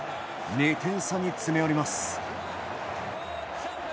２点差に詰め寄ります。